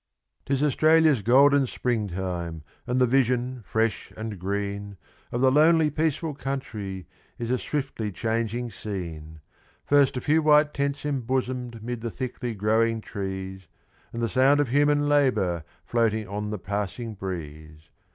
'Tis Australia's golden Springtime, and the vision, fresh and green, Of the lonely, peaceful country, is a swiftly changing scene; First a few white tents embosom'd 'mid the thickly growing trees, And the sound of human labour floating on the passing breeze.